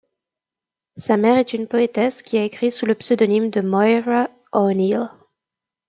Sa mère est une poétesse qui a écrit sous le pseudonyme de Moira O'Neill.